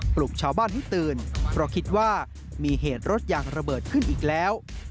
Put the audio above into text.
ปลุกชาวบ้านให้ตื่นเพราะคิดว่ามีเหตุรถยางระเบิดขึ้นอีกแล้ว